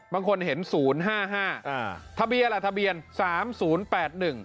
บางคนเห็นศูนย์ห้าห้าอ่าทะเบียนล่ะทะเบียนสามศูนย์แปดหนึ่ง